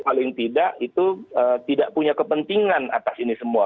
paling tidak itu tidak punya kepentingan atas ini semua